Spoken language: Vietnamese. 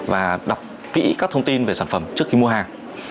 và đọc kỹ các thông tin về sản phẩm trước khi mua hàng